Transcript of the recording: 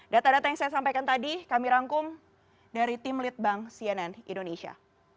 data data yang saya sampaikan tadi kami rangkum dari tim litbang cnn indonesia